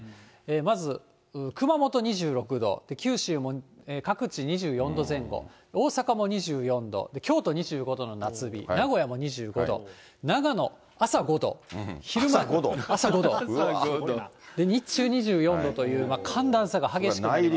まず熊本２６度、九州も各地２４度前後、大阪も２４度、京都２５度の夏日、名古屋も２５度、長野、朝５度、昼間、日中２４度という寒暖差が激しくなります。